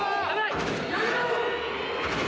やめろ！